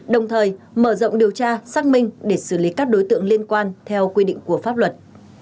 đồng thời mở rộng điều tra xác minh để xử lý các đối tượng liên quan theo quy định của pháp luật